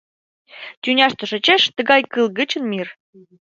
Тӱняште шочеш тыгай кыл гычын Мир.